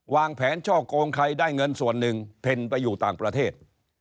วางแผนช่อกงใครได้เงินส่วนหนึ่งเพ็ญไปอยู่ต่างประเทศ